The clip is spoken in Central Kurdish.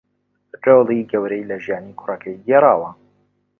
رۆڵی گەورەی لە ژیانی کوڕەکەی گێڕاوە